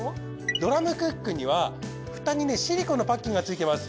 ドラムクックには蓋にねシリコンのパッキンがついてます。